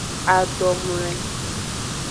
Adomloe.